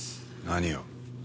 何を？